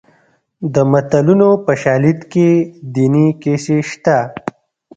د متلونو په شالید کې دیني کیسې شته